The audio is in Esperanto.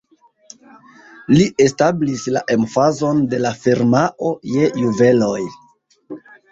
Li establis la emfazon de la firmao je juveloj.